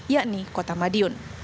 yakni kota madiun